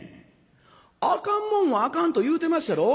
あかんもんはあかんと言うてまっしゃろ。